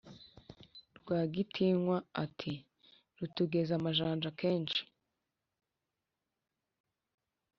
rwagitinywa ati"rutugeze amazajanja kenshi